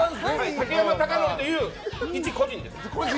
竹山隆範という一個人です。